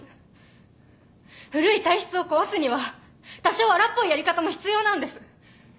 古い体質を壊すには多少荒っぽいやり方も必要なんです。